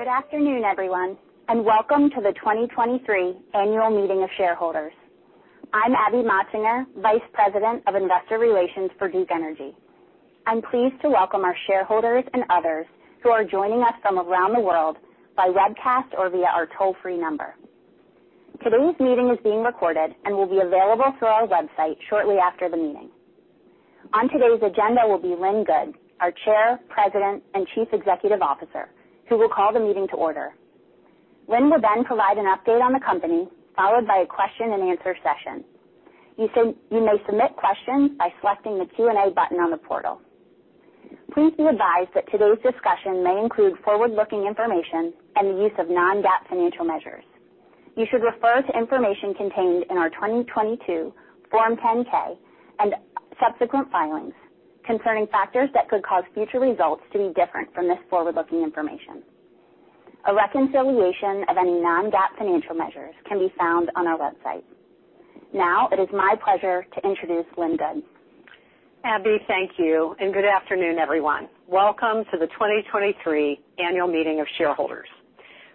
Good afternoon, everyone, welcome to the 2023 Annual Meeting of Shareholders. I'm Abby Motsinger, Vice President of Investor Relations for Duke Energy. I'm pleased to welcome our shareholders and others who are joining us from around the world by webcast or via our toll-free number. Today's meeting is being recorded and will be available through our website shortly after the meeting. On today's agenda will be Lynn Good, our Chair, President, and Chief Executive Officer, who will call the meeting to order. Lynn will provide an update on the company, followed by a question-and-answer session. You may submit questions by selecting the Q&A button on the portal. Please be advised that today's discussion may include forward-looking information and the use of non-GAAP financial measures. You should refer to information contained in our 2022 Form 10-K and subsequent filings concerning factors that could cause future results to be different from this forward-looking information. A reconciliation of any non-GAAP financial measures can be found on our website. It is my pleasure to introduce Lynn Good. Abby Motsinger, thank you, and good afternoon, everyone. Welcome to the 2023 Annual Meeting of Shareholders.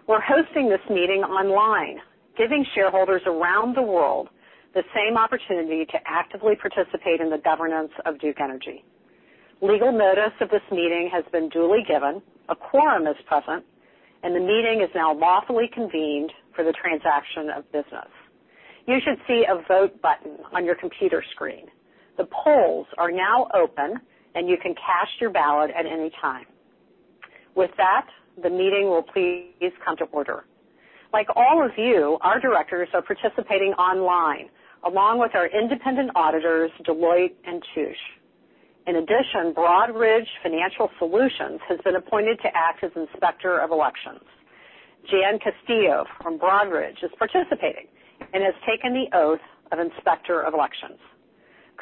We're hosting this meeting online, giving shareholders around the world the same opportunity to actively participate in the governance of Duke Energy. Legal notice of this meeting has been duly given, a quorum is present, and the meeting is now lawfully convened for the transaction of business. You should see a Vote button on your computer screen. The polls are now open, and you can cast your ballot at any time. With that, the meeting will please come to order. Like all of you, our directors are participating online, along with our independent auditors, Deloitte & Touche. In addition, Broadridge Financial Solutions has been appointed to act as Inspector of Elections. Jan Castillo from Broadridge is participating and has taken the oath of Inspector of Elections.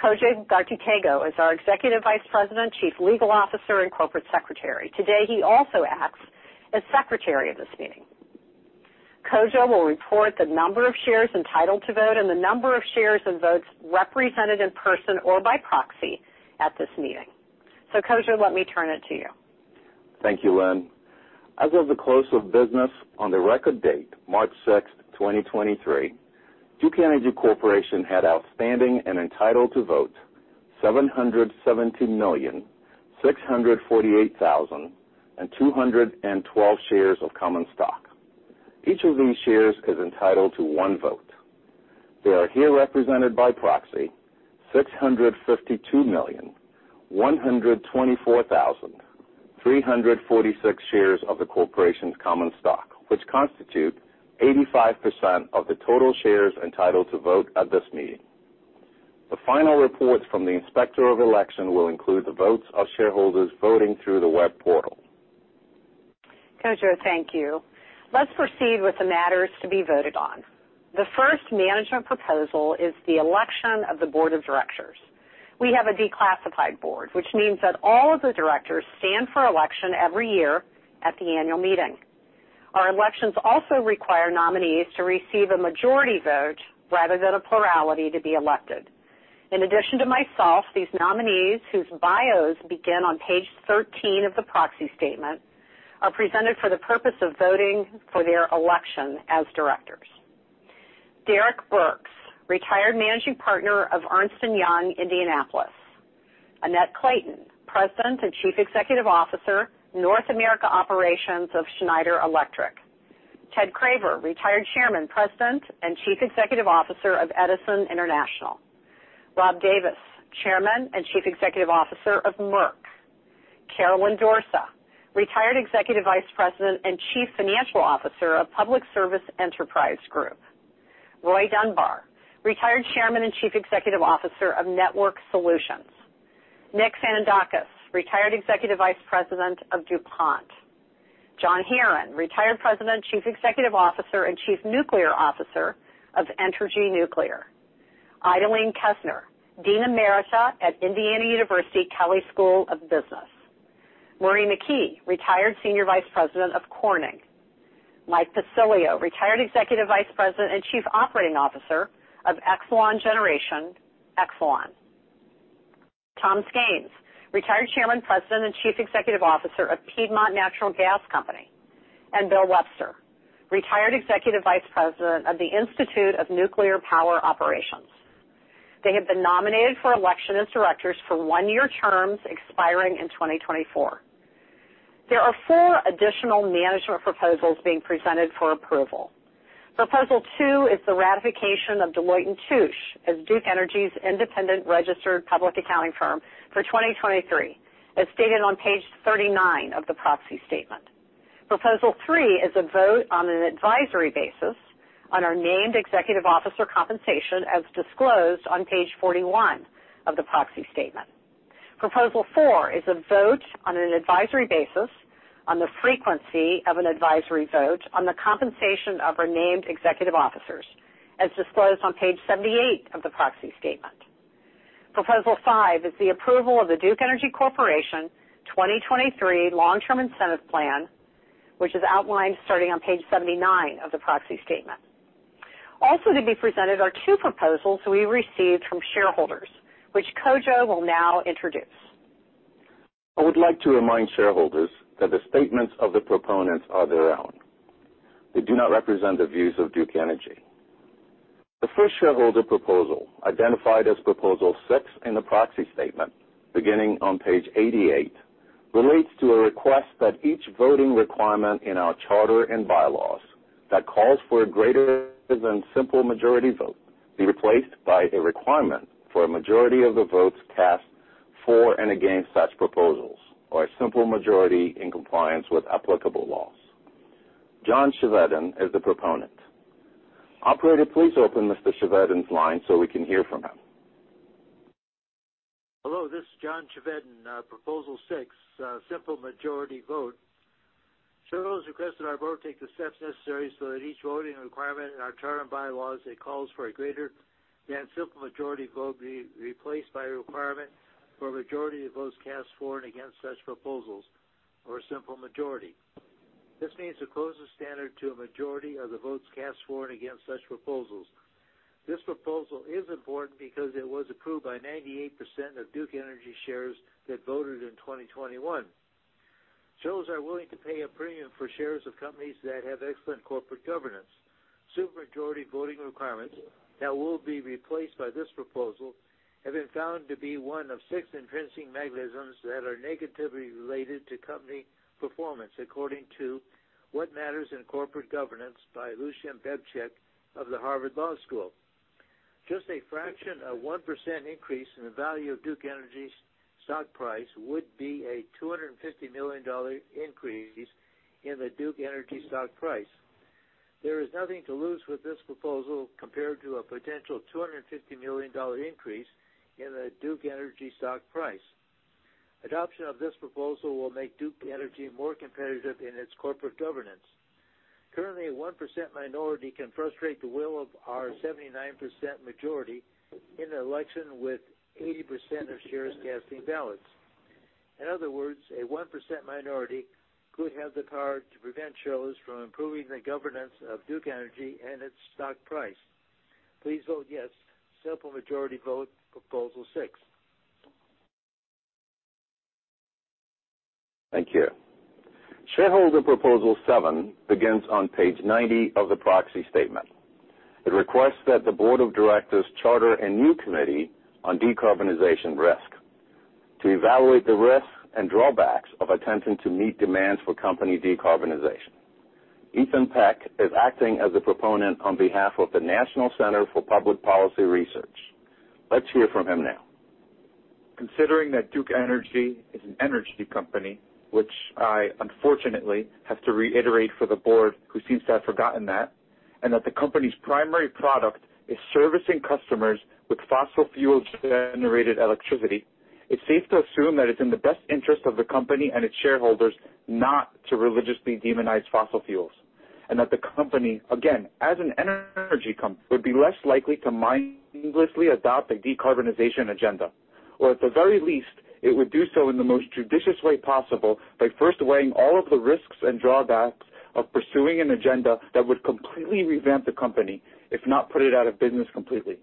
Kodwo Ghartey-Tagoe is our Executive Vice President, Chief Legal Officer, and Corporate Secretary. Today, he also acts as Secretary of this meeting. Kodwo will report the number of shares entitled to vote and the number of shares and votes represented in person or by proxy at this meeting. Kodwo, let me turn it to you. Thank you, Lynn. As of the close of business on the record date, March sixth, 2023, Duke Energy Corporation had outstanding and entitled to vote 770,648,212 shares of common stock. Each of these shares is entitled to one vote. There are here represented by proxy 652,124,346 shares of the corporation's common stock, which constitute 85% of the total shares entitled to vote at this meeting. The final reports from the Inspector of Election will include the votes of shareholders voting through the web portal. Kodwo, thank you. Let's proceed with the matters to be voted on. The first management proposal is the election of the board of directors. We have a declassified board, which means that all of the directors stand for election every year at the annual meeting. Our elections also require nominees to receive a majority vote rather than a plurality to be elected. In addition to myself, these nominees, whose bios begin on page 13 of the proxy statement, are presented for the purpose of voting for their election as directors. Derrick Burks, Retired Managing Partner of Ernst & Young, Indianapolis. Annette Clayton, President and Chief Executive Officer, North America Operations of Schneider Electric. Ted Craver, Retired Chairman, President, and Chief Executive Officer of Edison International. Rob Davis, Chairman and Chief Executive Officer of Merck. Caroline Dorsa, Retired Executive Vice President and Chief Financial Officer of Public Service Enterprise Group. Roy Dunbar, Retired Chairman and Chief Executive Officer of Network Solutions. Nick Xandakis, Retired Executive Vice President of DuPont. John Herron, Retired President, Chief Executive Officer, and Chief Nuclear Officer of Entergy Nuclear. Idalene Kesner, Dean Emerita at Indiana University Kelley School of Business. Marie McKee, Retired Senior Vice President of Corning. Michael Pacilio, Retired Executive Vice President and Chief Operating Officer of Exelon Generation, Exelon. Tom Skains, Retired Chairman, President, and Chief Executive Officer of Piedmont Natural Gas Company. Bill Webster, Retired Executive Vice President of the Institute of Nuclear Power Operations. They have been nominated for election as directors for one-year terms expiring in 2024. There are 4 additional management proposals being presented for approval. Proposal 2 is the ratification of Deloitte & Touche as Duke Energy's independent registered public accounting firm for 2023, as stated on page 39 of the proxy statement. Proposal 3 is a vote on an advisory basis on our named executive officer compensation, as disclosed on page 41 of the proxy statement. Proposal 4 is a vote on an advisory basis on the frequency of an advisory vote on the compensation of our named executive officers, as disclosed on page 78 of the proxy statement. Proposal 5 is the approval of the Duke Energy Corporation 2023 Long-Term Incentive Plan, which is outlined starting on page 79 of the proxy statement. To be presented are two proposals we received from shareholders, which Kodwo will now introduce. I would like to remind shareholders that the statements of the proponents are their own. They do not represent the views of Duke Energy. The first shareholder proposal, identified as Proposal 6 in the proxy statement beginning on page 88, relates to a request that each voting requirement in our charter and bylaws that calls for a greater than simple majority vote be replaced by a requirement for a majority of the votes cast for and against such proposals, or a simple majority in compliance with applicable laws. John Chevedden is the proponent. Operator, please open Mr. Chevedden's line so we can hear from him. Hello, this is John Chevedden, Proposal 6, simple majority vote. Shareholders request that our board take the steps necessary so that each voting requirement in our charter and bylaws that calls for a greater-than-simple majority vote be replaced by a requirement for a majority of votes cast for and against such proposals or a simple majority. This means the closest standard to a majority of the votes cast for and against such proposals. This proposal is important because it was approved by 98% of Duke Energy shares that voted in 2021. Shareholders are willing to pay a premium for shares of companies that have excellent corporate governance. Super majority voting requirements that will be replaced by this proposal have been found to be one of six intrinsic mechanisms that are negatively related to company performance, according to What Matters in Corporate Governance by Lucian Bebchuk of the Harvard Law School. Just a fraction of 1% increase in the value of Duke Energy's stock price would be a $250 million increase in the Duke Energy stock price. There is nothing to lose with this proposal compared to a potential $250 million increase in the Duke Energy stock price. Adoption of this proposal will make Duke Energy more competitive in its corporate governance. Currently, a 1% minority can frustrate the will of our 79% majority in an election with 80% of shares casting ballots. In other words, a 1% minority could have the power to prevent shareholders from improving the governance of Duke Energy and its stock price. Please vote yes. Simple majority vote Proposal 6. Thank you. Shareholder Proposal 7 begins on page 90 of the proxy statement. It requests that the board of directors charter a new committee on decarbonization risk to evaluate the risks and drawbacks of attempting to meet demands for company decarbonization. Ethan Peck is acting as a proponent on behalf of the National Center for Public Policy Research. Let's hear from him now. Considering that Duke Energy is an energy company, which I unfortunately have to reiterate for the board who seems to have forgotten that, and that the company's primary product is servicing customers with fossil fuel generated electricity, it's safe to assume that it's in the best interest of the company and its shareholders not to religiously demonize fossil fuels, and that the company, again, as an energy company, would be less likely to mindlessly adopt a decarbonization agenda. At the very least, it would do so in the most judicious way possible by first weighing all of the risks and drawbacks of pursuing an agenda that would completely revamp the company, if not put it out of business completely.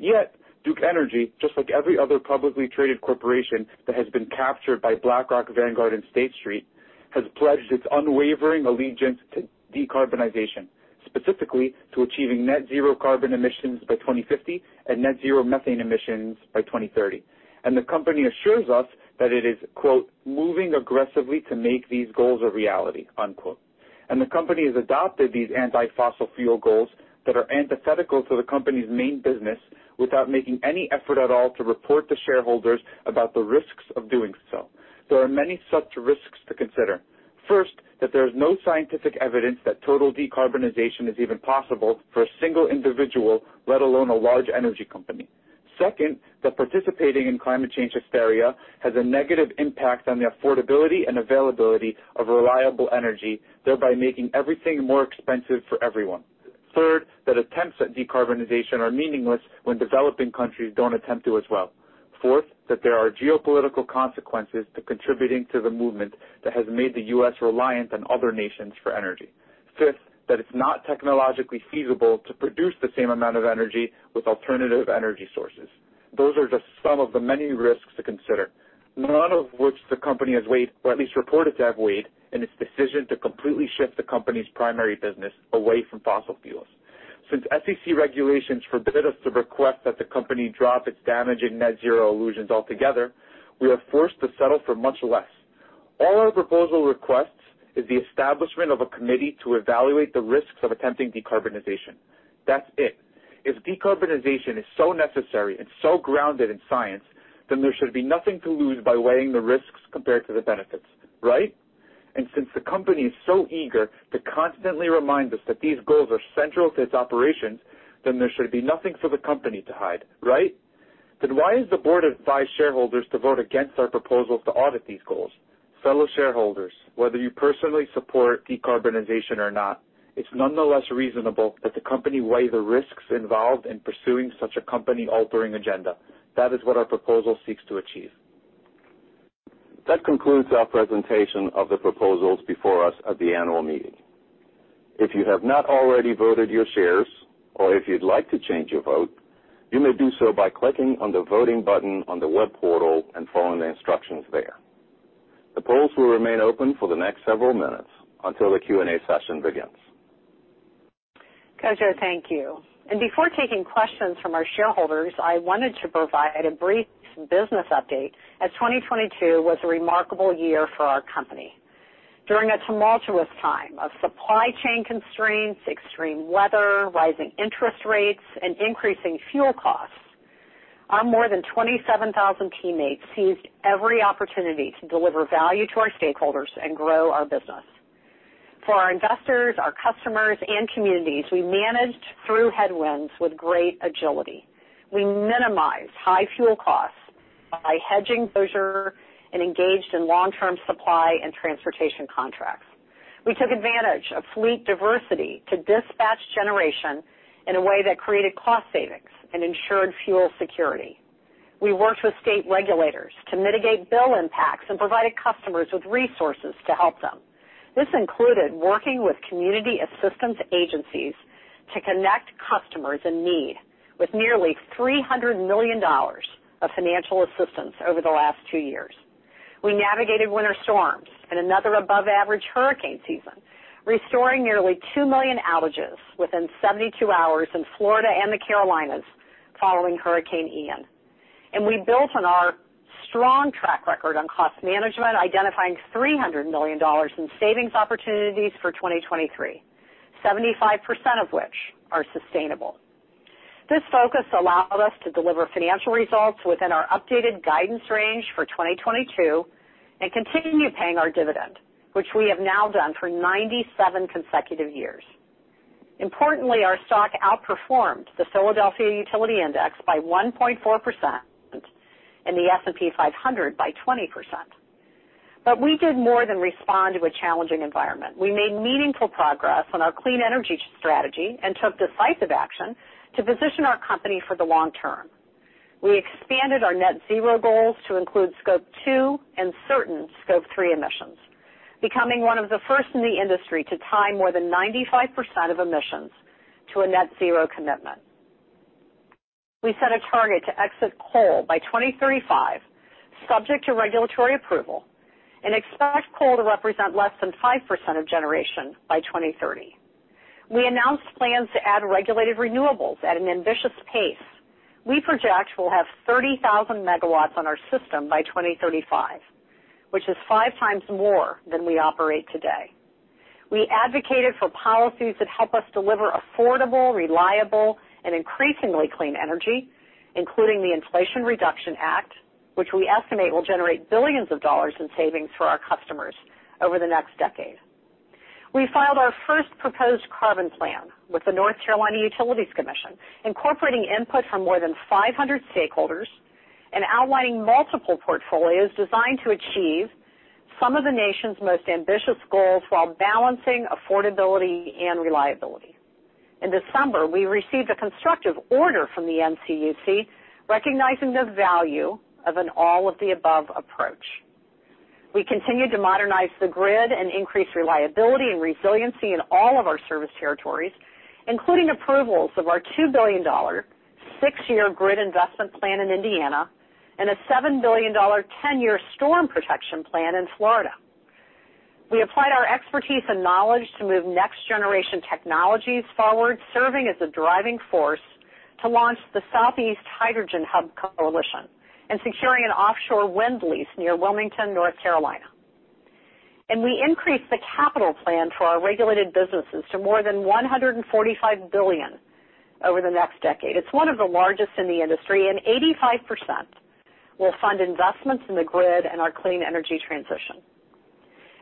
Yet, Duke Energy, just like every other publicly traded corporation that has been captured by BlackRock, Vanguard, and State Street, has pledged its unwavering allegiance to decarbonization, specifically to achieving net zero carbon emissions by 2050 and net zero methane emissions by 2030. The company assures us that it is, quote, "moving aggressively to make these goals a reality," unquote. The company has adopted these anti-fossil fuel goals that are antithetical to the company's main business without making any effort at all to report to shareholders about the risks of doing so. There are many such risks to consider. First, that there's no scientific evidence that total decarbonization is even possible for a single individual, let alone a large energy company. Second, that participating in climate change hysteria has a negative impact on the affordability and availability of reliable energy, thereby making everything more expensive for everyone. Third, that attempts at decarbonization are meaningless when developing countries don't attempt to as well. Fourth, that there are geopolitical consequences to contributing to the movement that has made the U.S. reliant on other nations for energy. Fifth, that it's not technologically feasible to produce the same amount of energy with alternative energy sources. Those are just some of the many risks to consider, none of which the company has weighed, or at least reported to have weighed in its decision to completely shift the company's primary business away from fossil fuels. SEC regulations forbid us to request that the company drop its damaging net zero illusions altogether, we are forced to settle for much less. All our proposal requests is the establishment of a committee to evaluate the risks of attempting decarbonization. That's it. If decarbonization is so necessary and so grounded in science, there should be nothing to lose by weighing the risks compared to the benefits, right? Since the company is so eager to constantly remind us that these goals are central to its operations, there should be nothing for the company to hide, right? Why is the board advise shareholders to vote against our proposals to audit these goals? Fellow shareholders, whether you personally support decarbonization or not, it's nonetheless reasonable that the company weigh the risks involved in pursuing such a company-altering agenda. That is what our proposal seeks to achieve. That concludes our presentation of the proposals before us at the annual meeting. If you have not already voted your shares, or if you'd like to change your vote, you may do so by clicking on the Voting button on the web portal and following the instructions there. The polls will remain open for the next several minutes until the Q&A session begins. Kodwo, thank you. Before taking questions from our shareholders, I wanted to provide a brief business update as 2022 was a remarkable year for our company. During a tumultuous time of supply chain constraints, extreme weather, rising interest rates, and increasing fuel costs, our more than 27,000 teammates seized every opportunity to deliver value to our stakeholders and grow our business. For our investors, our customers, and communities, we managed through headwinds with great agility. We minimized high fuel costs by hedging leisure and engaged in long-term supply and transportation contracts. We took advantage of fleet diversity to dispatch generation in a way that created cost savings and ensured fuel security. We worked with state regulators to mitigate bill impacts and provided customers with resources to help them. This included working with community assistance agencies to connect customers in need with nearly $300 million of financial assistance over the last 2 years. We navigated winter storms and another above-average hurricane season, restoring nearly 2 million outages within 72 hours in Florida and the Carolinas following Hurricane Ian. We built on our strong track record on cost management, identifying $300 million in savings opportunities for 2023, 75% of which are sustainable. This focus allowed us to deliver financial results within our updated guidance range for 2022 and continue paying our dividend, which we have now done for 97 consecutive years. Importantly, our stock outperformed the Philadelphia Utility Index by 1.4% and the S&P 500 by 20%. We did more than respond to a challenging environment. We made meaningful progress on our clean energy strategy and took decisive action to position our company for the long term. We expanded our Scope 2 and certain Scope 3 emissions, becoming one of the first in the industry to tie more than 95% of emissions to a net zero commitment. We set a target to exit coal by 2035, subject to regulatory approval, and expect coal to represent less than 5% of generation by 2030. We announced plans to add regulated renewables at an ambitious pace. We project we'll have 30,000 megawatts on our system by 2035, which is 5 times more than we operate today. We advocated for policies that help us deliver affordable, reliable, and increasingly clean energy, including the Inflation Reduction Act, which we estimate will generate $ billions in savings for our customers over the next decade. We filed our first proposed Carbon Plan with the North Carolina Utilities Commission, incorporating input from more than 500 stakeholders and outlining multiple portfolios designed to achieve some of the nation's most ambitious goals while balancing affordability and reliability. In December, we received a constructive order from the NCUC recognizing the value of an all-of-the-above approach. We continued to modernize the grid and increase reliability and resiliency in all of our service territories, including approvals of our $2 billion six-year grid investment plan in Indiana and a $7 billion ten-year storm protection plan in Florida. We applied our expertise and knowledge to move next-generation technologies forward, serving as a driving force to launch the Southeast Hydrogen Hub Coalition and securing an offshore wind lease near Wilmington, North Carolina. We increased the capital plan for our regulated businesses to more than $145 billion over the next decade. It's one of the largest in the industry, and 85% will fund investments in the grid and our clean energy transition.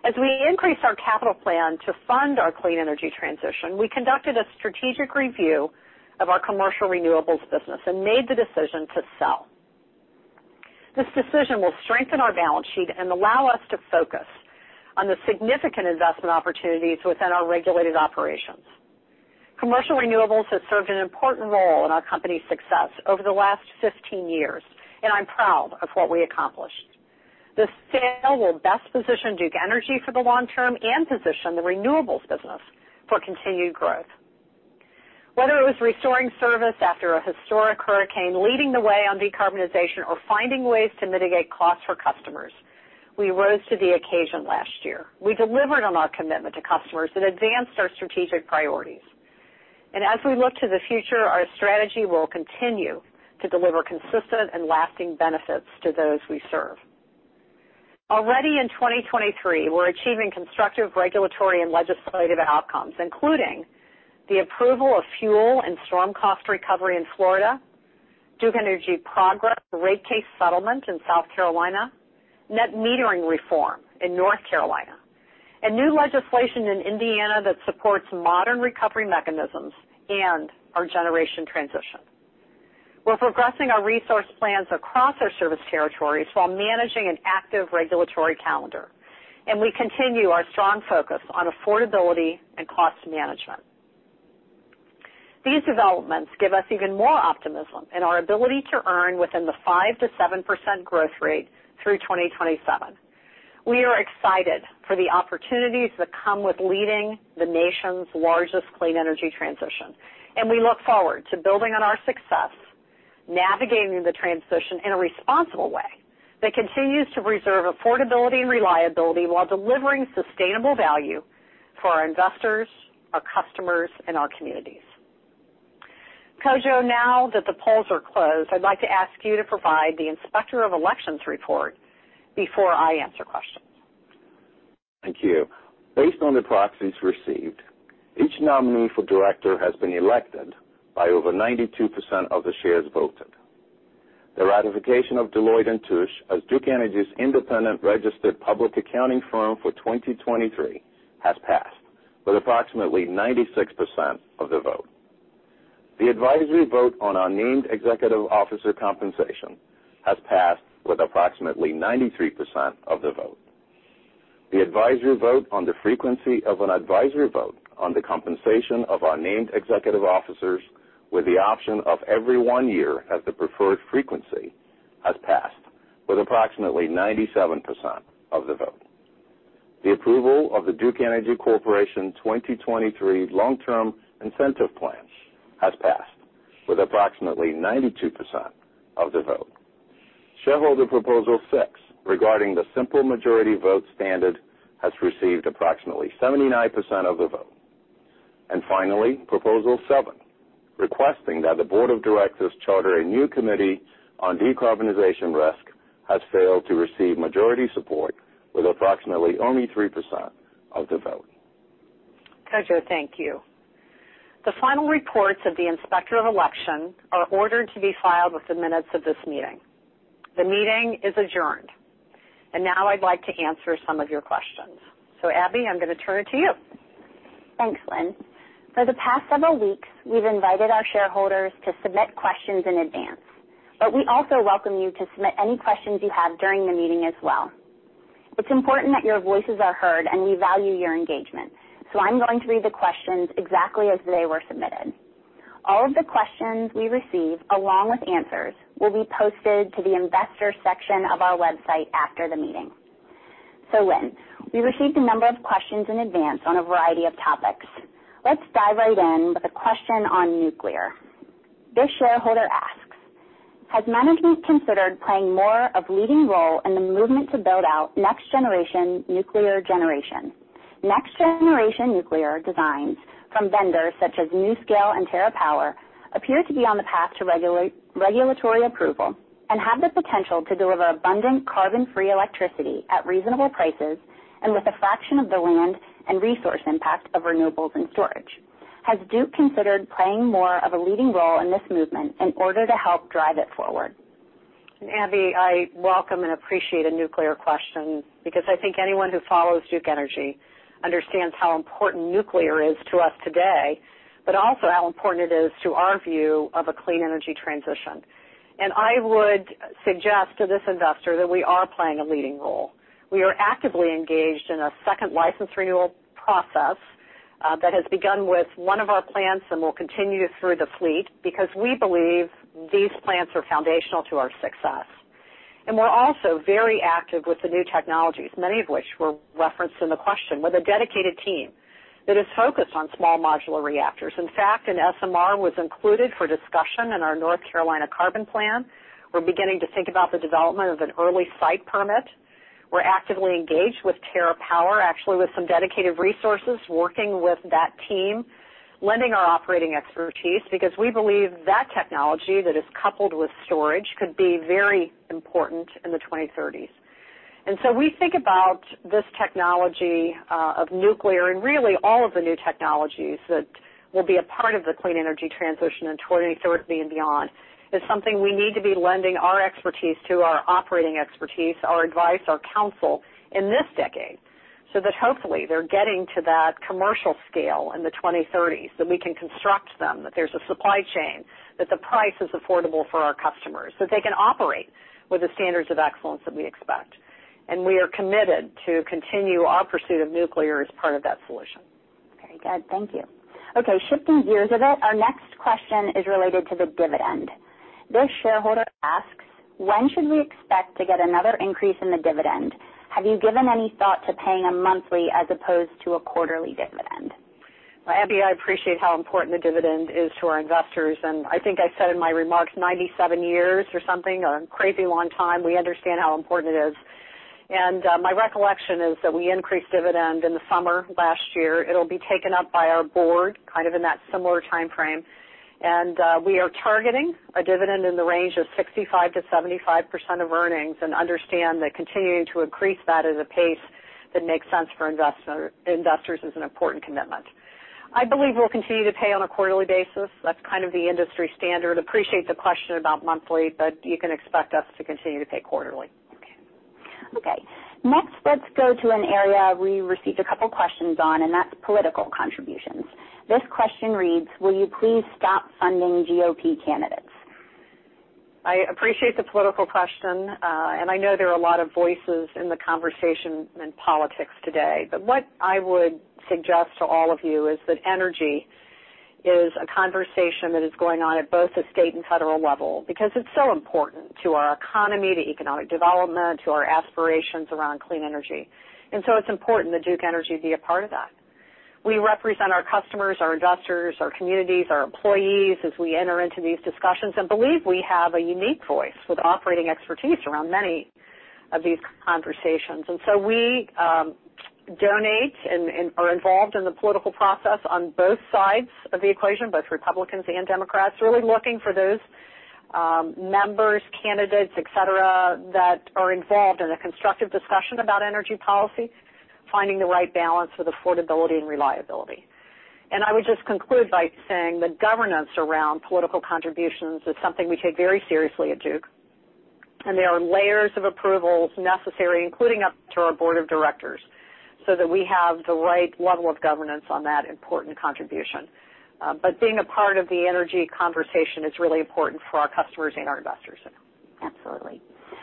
As we increase our capital plan to fund our clean energy transition, we conducted a strategic review of our commercial renewables business and made the decision to sell. This decision will strengthen our balance sheet and allow us to focus on the significant investment opportunities within our regulated operations. Commercial renewables has served an important role in our company's success over the last 15 years, and I'm proud of what we accomplished. The sale will best position Duke Energy for the long term and position the renewables business for continued growth. Whether it was restoring service after a historic hurricane, leading the way on decarbonization, or finding ways to mitigate costs for customers, we rose to the occasion last year. We delivered on our commitment to customers and advanced our strategic priorities. As we look to the future, our strategy will continue to deliver consistent and lasting benefits to those we serve. Already in 2023, we're achieving constructive regulatory and legislative outcomes, including the approval of fuel and storm cost recovery in Florida, Duke Energy Progress rate case settlement in South Carolina, net metering reform in North Carolina, and new legislation in Indiana that supports modern recovery mechanisms and our generation transition. We're progressing our resource plans across our service territories while managing an active regulatory calendar. We continue our strong focus on affordability and cost management. These developments give us even more optimism in our ability to earn within the 5%-7% growth rate through 2027. We are excited for the opportunities that come with leading the nation's largest clean energy transition. We look forward to building on our success, navigating the transition in a responsible way that continues to reserve affordability and reliability while delivering sustainable value for our investors, our customers, and our communities. Kodwo, now that the polls are closed, I'd like to ask you to provide the Inspector of Elections report before I answer questions. Thank you. Based on the proxies received, each nominee for director has been elected by over 92% of the shares voted. The ratification of Deloitte & Touche as Duke Energy's independent registered public accounting firm for 2023 has passed with approximately 96% of the vote. The advisory vote on our named executive officer compensation has passed with approximately 93% of the vote. The advisory vote on the frequency of an advisory vote on the compensation of our named executive officers with the option of every one year as the preferred frequency has passed with approximately 97% of the vote. The approval of the Duke Energy Corporation 2023 Long-Term Incentive Plan has passed with approximately 92% of the vote. Shareholder Proposal 6 regarding the simple majority vote standard has received approximately 79% of the vote. Finally, Proposal 7, requesting that the Board of Directors charter a new committee on decarbonization risk, has failed to receive majority support with approximately only 3% of the vote. Kodwo, thank you. The final reports of the Inspector of Election are ordered to be filed with the minutes of this meeting. The meeting is adjourned. Now I'd like to answer some of your questions. Abby, I'm gonna turn it to you. Thanks, Lynn. For the past several weeks, we've invited our shareholders to submit questions in advance, but we also welcome you to submit any questions you have during the meeting as well. It's important that your voices are heard, and we value your engagement, so I'm going to read the questions exactly as they were submitted. All of the questions we receive, along with answers, will be posted to the investor section of our website after the meeting. Lynn, we received a number of questions in advance on a variety of topics. Let's dive right in with a question on nuclear. This shareholder asks, "Has management considered playing more of leading role in the movement to build out next generation nuclear generation? Next generation nuclear designs from vendors such as NuScale and TerraPower appear to be on the path to regulatory approval and have the potential to deliver abundant carbon-free electricity at reasonable prices and with a fraction of the land and resource impact of renewables and storage. Has Duke considered playing more of a leading role in this movement in order to help drive it forward? Abby, I welcome and appreciate a nuclear question because I think anyone who follows Duke Energy understands how important nuclear is to us today, but also how important it is to our view of a clean energy transition. I would suggest to this investor that we are playing a leading role. We are actively engaged in a second license renewal process that has begun with one of our plants and will continue through the fleet because we believe these plants are foundational to our success. We're also very active with the new technologies, many of which were referenced in the question, with a dedicated team that is focused on small modular reactors. In fact, an SMR was included for discussion in our North Carolina Carbon Plan. We're beginning to think about the development of an early site permit. We're actively engaged with TerraPower, actually with some dedicated resources, working with that team, lending our operating expertise because we believe that technology that is coupled with storage could be very important in the 2030s. We think about this technology of nuclear and really all of the new technologies that will be a part of the clean energy transition in 2030s and beyond, is something we need to be lending our expertise to, our operating expertise, our advice, our counsel in this decade so that hopefully they're getting to that commercial scale in the 2030s, that we can construct them, that there's a supply chain, that the price is affordable for our customers, that they can operate with the standards of excellence that we expect. We are committed to continue our pursuit of nuclear as part of that solution. Very good. Thank you. Okay, shifting gears a bit, our next question is related to the dividend. This shareholder asks, "When should we expect to get another increase in the dividend? Have you given any thought to paying a monthly as opposed to a quarterly dividend? Abby, I appreciate how important the dividend is to our investors, and I think I said in my remarks 97 years or something, a crazy long time, we understand how important it is. My recollection is that we increased dividend in the summer last year. It'll be taken up by our board kind of in that similar timeframe. We are targeting a dividend in the range of 65%-75% of earnings and understand that continuing to increase that at a pace that makes sense for investors is an important commitment. I believe we'll continue to pay on a quarterly basis. That's kind of the industry standard. Appreciate the question about monthly, but you can expect us to continue to pay quarterly. Okay. Next, let's go to an area we received a couple questions on, and that's political contributions. This question reads, "Will you please stop funding GOP candidates? I appreciate the political question. I know there are a lot of voices in the conversation in politics today, but what I would suggest to all of you is that energy is a conversation that is going on at both the state and federal level because it's so important to our economy, to economic development, to our aspirations around clean energy. It's important that Duke Energy be a part of that. We represent our customers, our investors, our communities, our employees as we enter into these discussions and believe we have a unique voice with operating expertise around many of these conversations. We donate and are involved in the political process on both sides of the equation, both Republicans and Democrats, really looking for those members, candidates, et cetera, that are involved in a constructive discussion about energy policy, finding the right balance with affordability and reliability. I would just conclude by saying the governance around political contributions is something we take very seriously at Duke, and there are layers of approvals necessary, including up to our board of directors, so that we have the right level of governance on that important contribution. Being a part of the energy conversation is really important for our customers and our investors. Absolutely.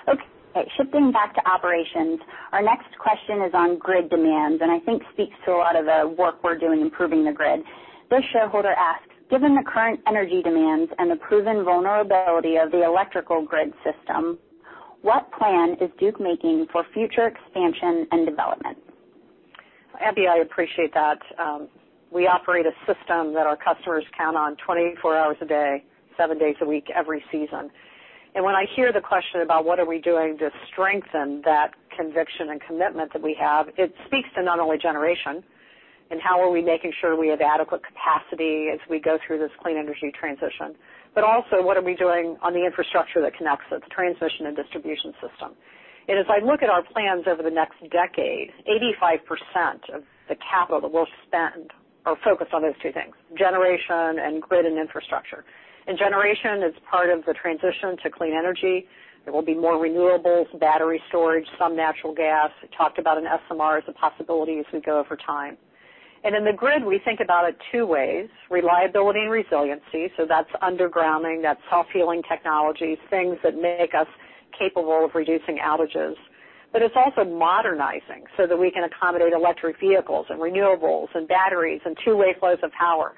Okay, shifting back to operations. Our next question is on grid demands, and I think speaks to a lot of the work we're doing improving the grid. This shareholder asks, "Given the current energy demands and the proven vulnerability of the electrical grid system, what plan is Duke making for future expansion and development? Abby, I appreciate that. We operate a system that our customers count on 24 hours a day, 7 days a week, every season. When I hear the question about what are we doing to strengthen that conviction and commitment that we have, it speaks to not only generation and how are we making sure we have adequate capacity as we go through this clean energy transition, but also what are we doing on the infrastructure that connects it, the transmission and distribution system. As I look at our plans over the next decade, 85% of the capital that we'll spend are focused on those two things, generation and grid and infrastructure. Generation is part of the transition to clean energy. There will be more renewables, battery storage, some natural gas. We talked about an SMR as a possibility as we go over time. In the grid, we think about it two ways, reliability and resiliency, so that's undergrounding, that's self-healing technologies, things that make us capable of reducing outages, but it's also modernizing so that we can accommodate electric vehicles and renewables and batteries and two-way flows of power.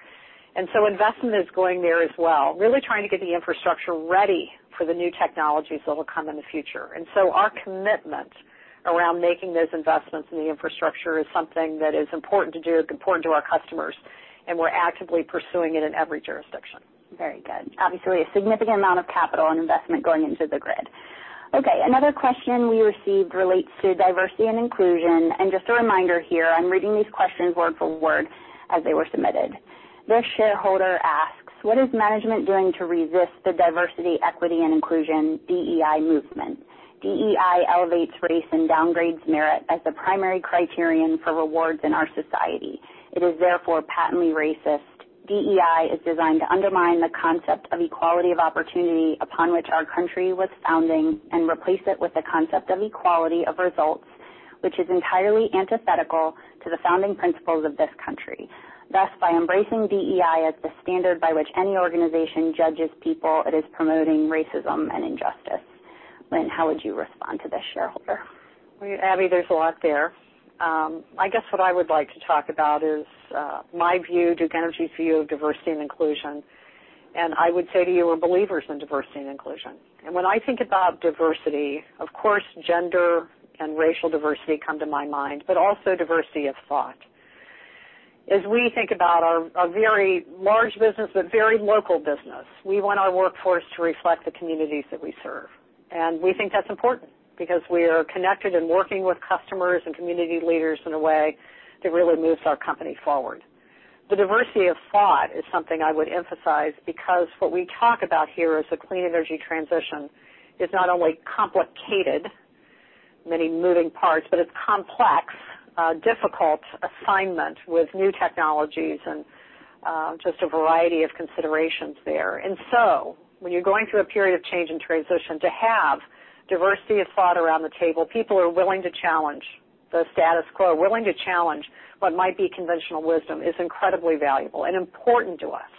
Investment is going there as well. Really trying to get the infrastructure ready for the new technologies that'll come in the future. Our commitment around making those investments in the infrastructure is something that is important to do, it's important to our customers, and we're actively pursuing it in every jurisdiction. Very good. Obviously, a significant amount of capital and investment going into the grid. Another question we received relates to diversity and inclusion, and just a reminder here, I'm reading these questions word for word as they were submitted. This shareholder asks, "What is management doing to resist the diversity, equity, and inclusion, DEI movement? DEI elevates race and downgrades merit as the primary criterion for rewards in our society. It is therefore patently racist. DEI is designed to undermine the concept of equality of opportunity upon which our country was founding and replace it with the concept of equality of results, which is entirely antithetical to the founding principles of this country. By embracing DEI as the standard by which any organization judges people, it is promoting racism and injustice." Lynn, how would you respond to this shareholder? Abby, there's a lot there. I guess what I would like to talk about is my view, Duke Energy's view of diversity and inclusion. I would say to you we're believers in diversity and inclusion. When I think about diversity, of course, gender and racial diversity come to my mind, but also diversity of thought. As we think about our, a very large business, but very local business, we want our workforce to reflect the communities that we serve. We think that's important because we are connected and working with customers and community leaders in a way that really moves our company forward. The diversity of thought is something I would emphasize because what we talk about here is a clean energy transition is not only complicated, many moving parts, but it's complex, difficult assignment with new technologies and just a variety of considerations there. And so when you're going through a period of change and transition, to have diversity of thought around the table, people are willing to challenge the status quo, willing to challenge what might be conventional wisdom is incredibly valuable and important to us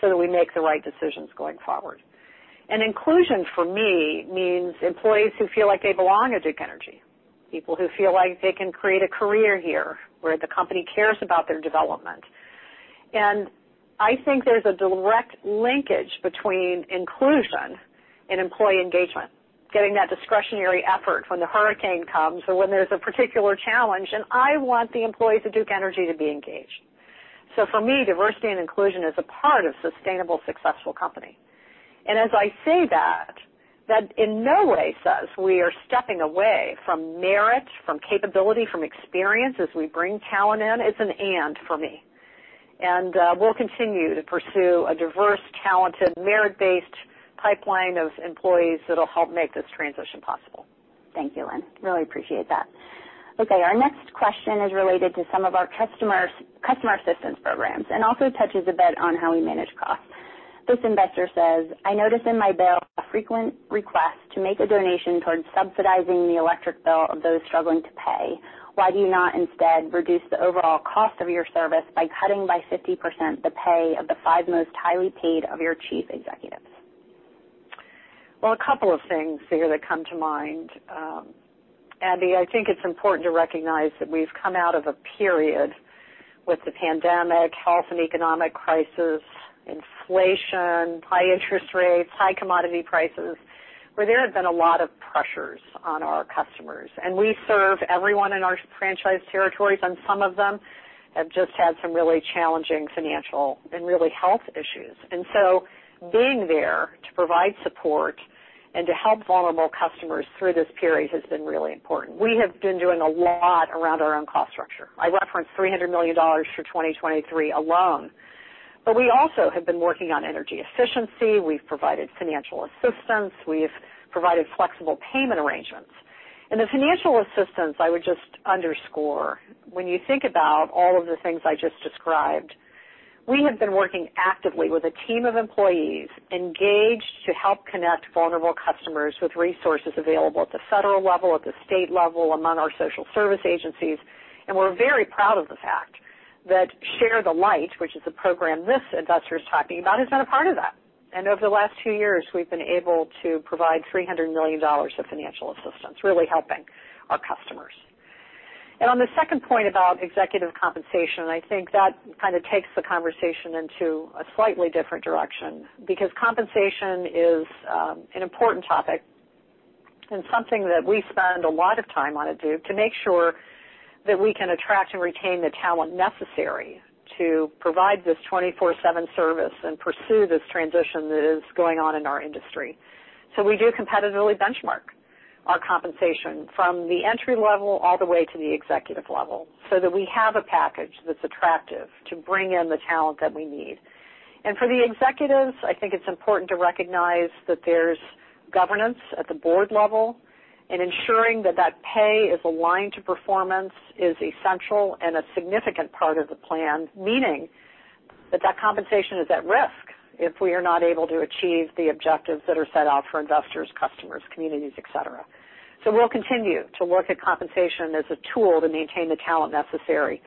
so that we make the right decisions going forward. And inclusion, for me, means employees who feel like they belong at Duke Energy, people who feel like they can create a career here where the company cares about their development. I think there's a direct linkage between inclusion and employee engagement, getting that discretionary effort when the hurricane comes or when there's a particular challenge, and I want the employees of Duke Energy to be engaged. For me, diversity and inclusion is a part of sustainable, successful company. As I say that in no way says we are stepping away from merit, from capability, from experience as we bring talent in. It's an and for me. We'll continue to pursue a diverse, talented, merit-based pipeline of employees that'll help make this transition possible. Thank you, Lynn. Really appreciate that. Okay, our next question is related to some of our customer assistance programs and also touches a bit on how we manage costs. This investor says, "I notice in my bill a frequent request to make a donation towards subsidizing the electric bill of those struggling to pay. Why do you not instead reduce the overall cost of your service by cutting by 50% the pay of the five most highly paid of your chief executives? Well, a couple of things here that come to mind. Abby, I think it's important to recognize that we've come out of a period with the pandemic, health and economic crisis, inflation, high interest rates, high commodity prices, where there have been a lot of pressures on our customers, and we serve everyone in our franchise territories, and some of them have just had some really challenging financial and really health issues. Being there to provide support and to help vulnerable customers through this period has been really important. We have been doing a lot around our own cost structure. I referenced $300 million for 2023 alone, but we also have been working on energy efficiency. We've provided financial assistance. We've provided flexible payment arrangements. The financial assistance, I would just underscore when you think about all of the things I just described, we have been working actively with a team of employees engaged to help connect vulnerable customers with resources available at the federal level, at the state level, among our social service agencies. We're very proud of the fact that Share the Light, which is a program this investor is talking about, is not a part of that. Over the last two years, we've been able to provide $300 million of financial assistance, really helping our customers. On the second point about executive compensation, I think that kind of takes the conversation into a slightly different direction, because compensation is an important topic and something that we spend a lot of time on at Duke to make sure that we can attract and retain the talent necessary to provide this 24/7 service and pursue this transition that is going on in our industry. We do competitively benchmark our compensation from the entry level all the way to the executive level so that we have a package that's attractive to bring in the talent that we need. For the executives, I think it's important to recognize that there's governance at the board level. Ensuring that that pay is aligned to performance is essential and a significant part of the plan, meaning that that compensation is at risk if we are not able to achieve the objectives that are set out for investors, customers, communities, et cetera. We'll continue to look at compensation as a tool to maintain the talent necessary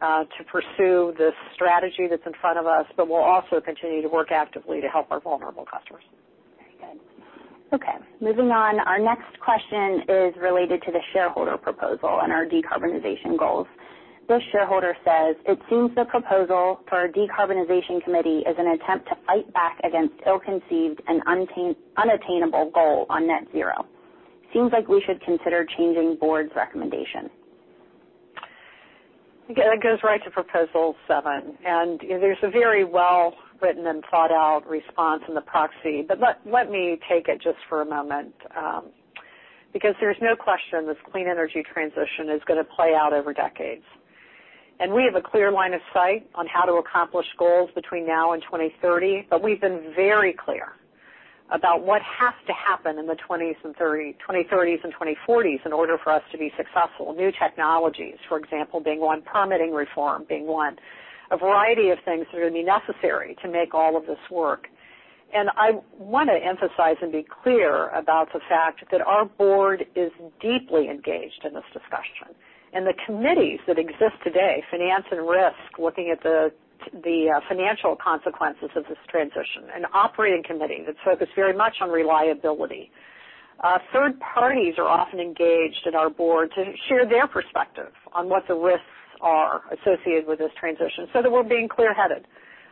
to pursue this strategy that's in front of us. We'll also continue to work actively to help our vulnerable customers. Very good. Okay, moving on. Our next question is related to the shareholder proposal and our decarbonization goals. This shareholder says, "It seems the proposal for a decarbonization committee is an attempt to fight back against ill-conceived and unattainable goal on net zero. Seems like we should consider changing Board's recommendation. That goes right to Proposal 7, there's a very well-written and thought-out response in the proxy. Let me take it just for a moment, because there's no question this clean energy transition is gonna play out over decades, and we have a clear line of sight on how to accomplish goals between now and 2030. We've been very clear about what has to happen in the 20s and 2030s and 2040s in order for us to be successful. New technologies, for example, being one, permitting reform being one. A variety of things that are going to be necessary to make all of this work. I want to emphasize and be clear about the fact that our board is deeply engaged in this discussion. The committees that exist today, finance and risk, looking at the financial consequences of this transition, and operating committee that's focused very much on reliability. Third parties are often engaged at our board to share their perspective on what the risks are associated with this transition, so that we're being clear-headed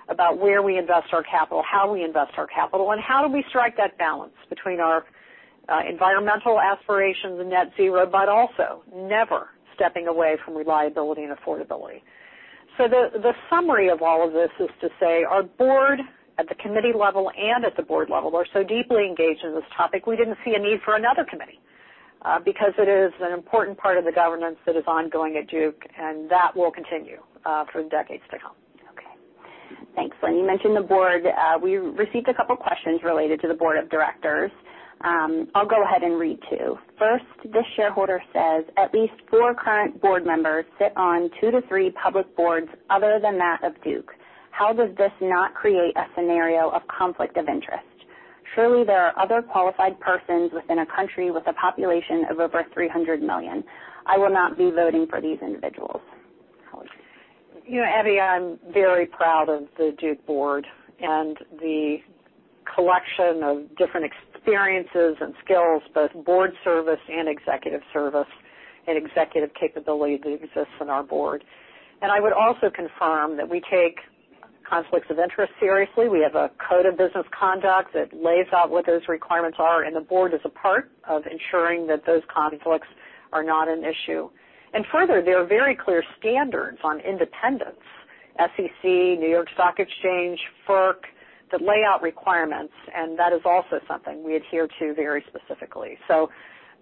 about where we invest our capital, how we invest our capital, and how do we strike that balance between our environmental aspirations and net zero, but also never stepping away from reliability and affordability. The summary of all of this is to say our board at the committee level and at the board level are so deeply engaged in this topic, we didn't see a need for another committee, because it is an important part of the governance that is ongoing at Duke, and that will continue for decades to come. Okay. Thanks. When you mentioned the board, we received a couple questions related to the board of directors. I'll go ahead and read 2. First, this shareholder says, "At least 4 current board members sit on two to three public boards other than that of Duke. How does this not create a scenario of conflict of interest? Surely there are other qualified persons within a country with a population of over 300 million. I will not be voting for these individuals. You know, Abby Motsinger, I'm very proud of the Duke board and the collection of different experiences and skills, both board service and executive service and executive capability that exists in our board. I would also confirm that we take conflicts of interest seriously. We have a code of business conduct that lays out what those requirements are, and the board is a part of ensuring that those conflicts are not an issue. Further, there are very clear standards on independence, SEC, New York Stock Exchange, FERC, that lay out requirements, and that is also something we adhere to very specifically.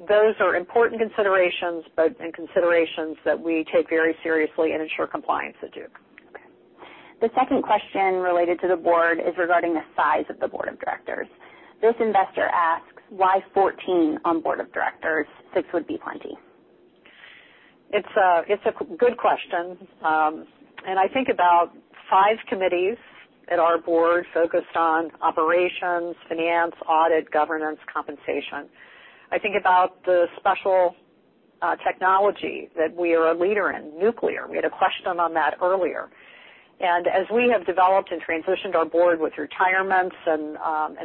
Those are important considerations, and considerations that we take very seriously and ensure compliance at Duke. Okay. The second question related to the board is regarding the size of the board of directors. This investor asks, "Why 14 on board of directors? 6 would be plenty. It's a good question. I think about 5 committees at our board focused on operations, finance, audit, governance, compensation. I think about the special technology that we are a leader in, nuclear. We had a question on that earlier. As we have developed and transitioned our board with retirements and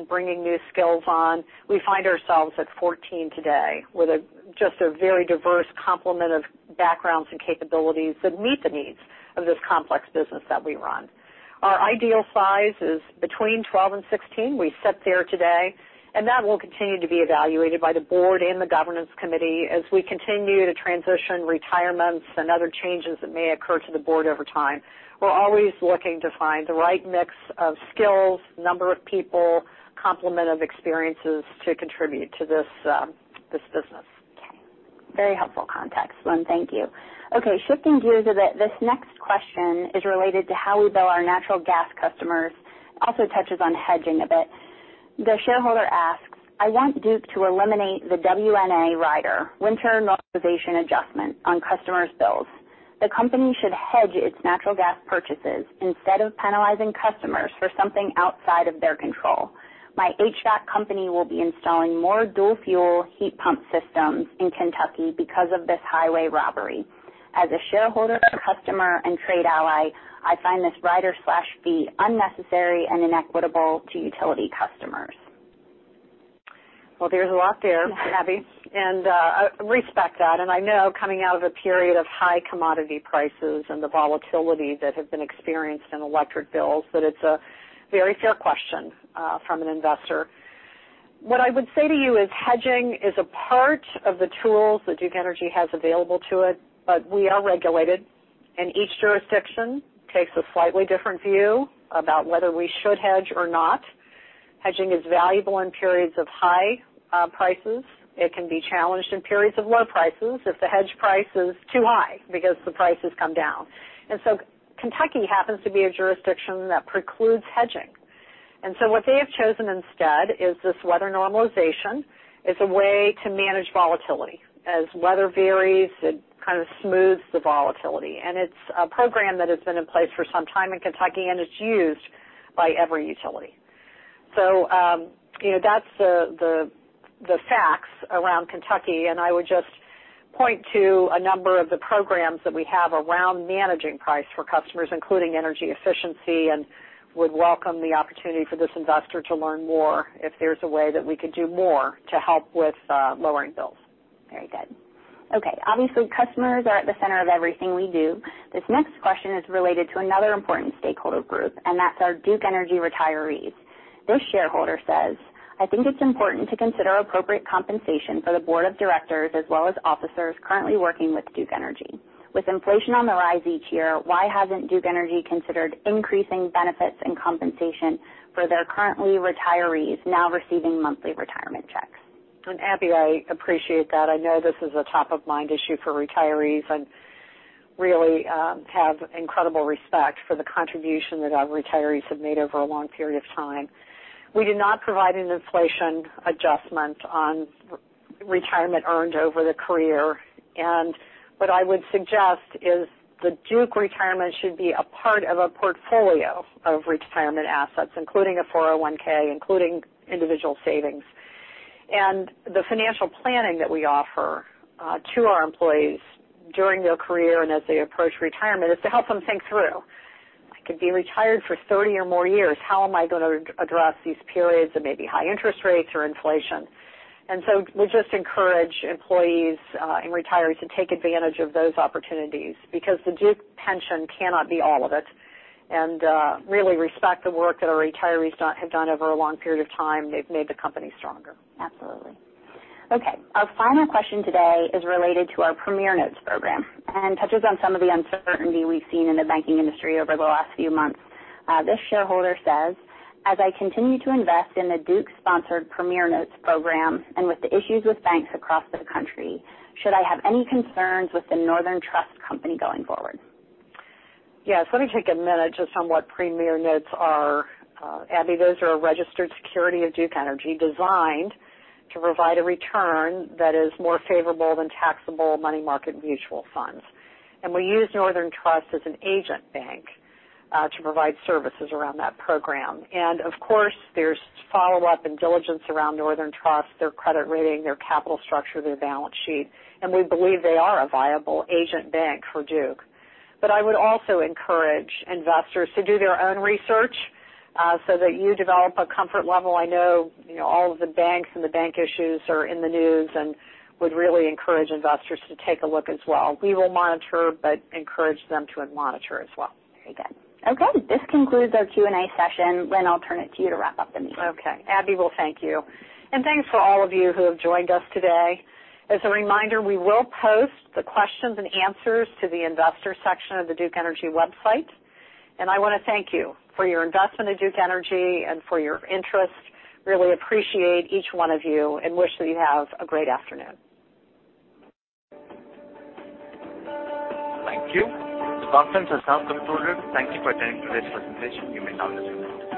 bringing new skills on, we find ourselves at 14 today with just a very diverse complement of backgrounds and capabilities that meet the needs of this complex business that we run. Our ideal size is between 12 and 16. We sit there today, and that will continue to be evaluated by the board and the governance committee as we continue to transition retirements and other changes that may occur to the board over time. We're always looking to find the right mix of skills, number of people, complement of experiences to contribute to this business. Very helpful context, Lynn. Thank you. Shifting gears a bit, this next question is related to how we bill our natural gas customers. Touches on hedging a bit. The shareholder asks, "I want Duke to eliminate the WNA rider, Winter Normalization Adjustment, on customers' bills. The company should hedge its natural gas purchases instead of penalizing customers for something outside of their control. My HVAC company will be installing more dual fuel heat pump systems in Kentucky because of this highway robbery. As a shareholder, customer, and trade ally, I find this rider/fee unnecessary and inequitable to utility customers. There's a lot there, Abby, I respect that. I know coming out of a period of high commodity prices and the volatility that has been experienced in electric bills, that it's a very fair question from an investor. What I would say to you is hedging is a part of the tools that Duke Energy has available to it, but we are regulated, and each jurisdiction takes a slightly different view about whether we should hedge or not. Hedging is valuable in periods of high prices. It can be challenged in periods of low prices if the hedge price is too high because the price has come down. Kentucky happens to be a jurisdiction that precludes hedging. What they have chosen instead is this weather normalization. It's a way to manage volatility. As weather varies, it kind of smooths the volatility. It's a program that has been in place for some time in Kentucky, and it's used by every utility. You know, that's the facts around Kentucky, and I would just point to a number of the programs that we have around managing price for customers, including energy efficiency, and would welcome the opportunity for this investor to learn more if there's a way that we could do more to help with lowering bills. Very good. Okay. Obviously, customers are at the center of everything we do. This next question is related to another important stakeholder group, and that's our Duke Energy retirees. This shareholder says, "I think it's important to consider appropriate compensation for the board of directors as well as officers currently working with Duke Energy. With inflation on the rise each year, why hasn't Duke Energy considered increasing benefits and compensation for their currently retirees now receiving monthly retirement checks? Abby, I appreciate that. I know this is a top-of-mind issue for retirees and really have incredible respect for the contribution that our retirees have made over a long period of time. We do not provide an inflation adjustment on retirement earned over the career. What I would suggest is the Duke retirement should be a part of a portfolio of retirement assets, including a 401(k), including individual savings. The financial planning that we offer to our employees during their career and as they approach retirement is to help them think through. I could be retired for 30 or more years. How am I gonna address these periods of maybe high interest rates or inflation? We just encourage employees and retirees to take advantage of those opportunities because the Duke pension cannot be all of it. Really respect the work that our retirees have done over a long period of time. They've made the company stronger. Absolutely. Okay. Our final question today is related to our Premier Notes program and touches on some of the uncertainty we've seen in the banking industry over the last few months. This shareholder says, "As I continue to invest in the Duke-sponsored Premier Notes program, and with the issues with banks across the country, should I have any concerns with The Northern Trust Company going forward? Yes. Let me take a minute just on what Premier Notes are. Abby, those are a registered security of Duke Energy designed to provide a return that is more favorable than taxable money market mutual funds. We use Northern Trust as an agent bank to provide services around that program. Of course, there's follow-up and diligence around Northern Trust, their credit rating, their capital structure, their balance sheet, and we believe they are a viable agent bank for Duke. I would also encourage investors to do their own research so that you develop a comfort level. I know, you know, all of the banks and the bank issues are in the news and would really encourage investors to take a look as well. We will monitor, but encourage them to monitor as well. Very good. Okay. This concludes our Q&A session. Lynn, I'll turn it to you to wrap up the meeting. Okay. Abby, well, thank you. Thanks for all of you who have joined us today. As a reminder, we will post the questions and answers to the investor section of the Duke Energy website. I wanna thank you for your investment in Duke Energy and for your interest. Really appreciate each one of you and wish that you have a great afternoon. Thank you. The conference is now concluded. Thank you for attending today's presentation. You may now disconnect.